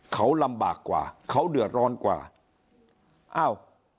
เขาลำบากกว่าเขาเดือดร้อนกว่าอ้าว